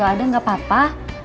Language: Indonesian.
kalau ada gak apa apa